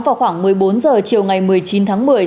vào khoảng một mươi bốn h chiều ngày một mươi chín tháng một mươi